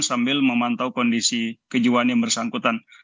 sambil memantau kondisi kejiwaan yang bersangkutan